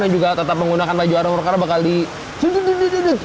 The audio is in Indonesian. dan juga tetap menggunakan paju arung arung karena bakal di